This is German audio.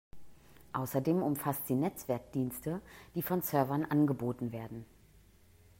Außerdem umfasst sie Netzwerkdienste, die von Servern angeboten werden.